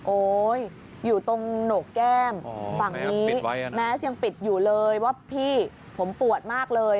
โอ๊ยอยู่ตรงโหนกแก้มฝั่งนี้แมสยังปิดอยู่เลยว่าพี่ผมปวดมากเลย